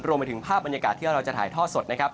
รวมไปถึงภาพบรรยากาศที่เราจะถ่ายทอดสดนะครับ